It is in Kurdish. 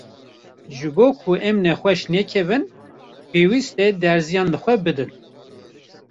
ji bo ku em nexweş nekevin, pêwîst e derziyan li xwe bidin.